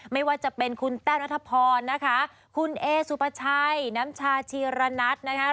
ไม่ว่าจะเป็นคุณแต้วนัทพรนะคะคุณเอสุปชัยน้ำชาชีระนัทนะคะ